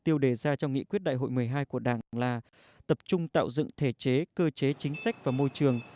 trong nghị quyết đại hội một mươi hai của đảng là tập trung tạo dựng thể chế cơ chế chính sách và môi trường